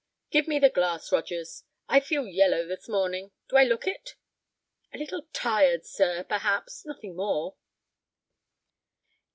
"Give me the glass, Rogers. I feel yellow this morning. Do I look it?" "A little tired, sir, perhaps. Nothing more."